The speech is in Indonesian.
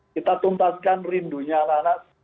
kita tuntaskan rindunya anak anak